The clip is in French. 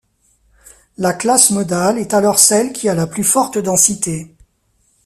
La classe modale est alors celle qui a la plus forte densité.